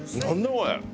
これ！